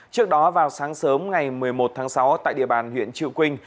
trước đó vào sáng sớm ngày một mươi một tháng sáu tại địa bàn huyện triệu quynh